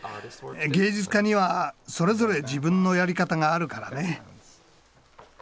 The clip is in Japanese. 芸術家にはそれぞれ自分のやり方があるからね。